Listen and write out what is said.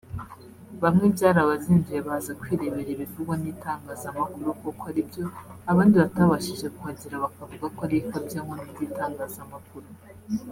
Bamwe byarabazinduye baza kwirebera ibivugwa n’itangazamakuru koko aribyo abandi batabashije kuhagera bakavuga ko ari ikabyankuru ry’itangazamakuru